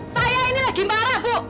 saya ini lagi marah bu